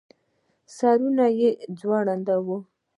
سرونه يې ځړېدلې وو.